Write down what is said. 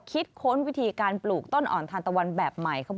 ค้นวิธีการปลูกต้นอ่อนทานตะวันแบบใหม่